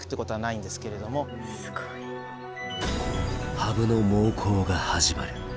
羽生の猛攻が始まる。